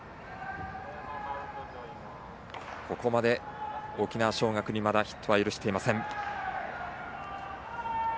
ここまで沖縄尚学にまだヒットは許していません。